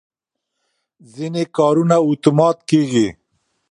ځینې کارونه اتومات کېږي.